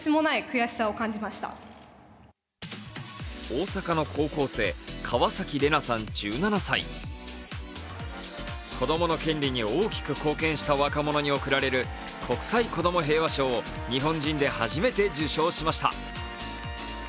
大阪の高校生、川崎レナさん１７歳子供の権利に大きく貢献した若者に贈られる国際子ども平和賞を日本人で初めて受賞しました。